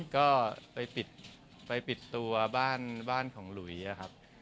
ก็ไปปิดไปปิดตัวบ้านของหลุยอะครับ